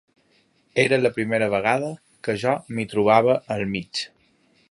Era la primera vegada que jo m'hi trobava al mig